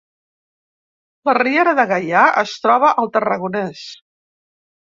La Riera de Gaià es troba al Tarragonès